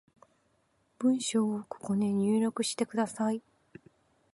文章をここに入力してください